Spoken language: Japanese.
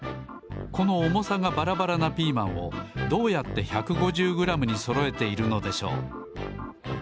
このおもさがばらばらなピーマンをどうやって１５０グラムにそろえているのでしょう。